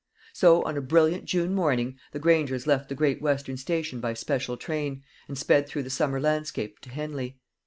So, on a brilliant June morning, the Grangers left the Great Western station by special train, and sped through the summer landscape to Henley.